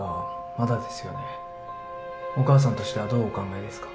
お母さんとしてはどうお考えですか？